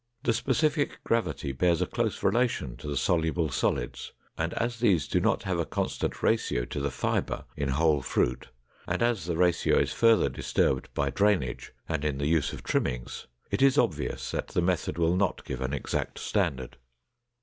The specific gravity bears a close relation to the soluble solids, and as these do not have a constant ratio to the fiber in whole fruit, and as the ratio is further disturbed by drainage and in the use of trimmings, it is obvious that the method will not give an exact standard.